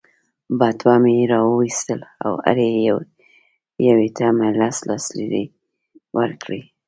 بټوه مې را وایستل او هرې یوې ته مې لس لس لیرې ورکړې.